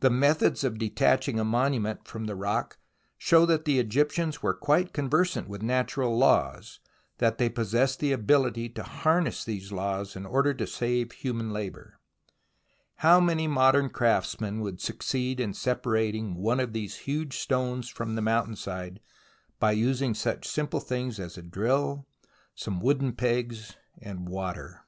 The methods of detaching a monument from the rock show that the Egyptians were quite conversant with natural laws, that they possessed the ability^ to harness these laws in order to save human labour. How many modern crafts men would succeed in separating one of these huge stones from the mountain side, by using such simple 74 THE ROMANCE OF EXCAVATION things as a drill, some wooden pegs, and water